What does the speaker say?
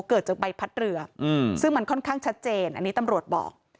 เกิดจากใบพัดเรือซึ่งมันค่อนข้างชัดเจนอันนี้ตำรวจบอก